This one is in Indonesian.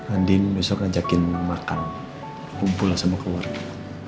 andien besok ngajakin makan kumpul lah semua keluarga